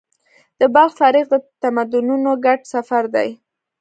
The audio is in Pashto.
د بلخ تاریخ د تمدنونو ګډ سفر دی.